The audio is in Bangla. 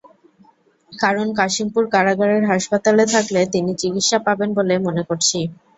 কারণ কাশিমপুর কারাগারের হাসপাতালে থাকলে তিনি চিকিৎসা পাবেন বলে মনে করছি।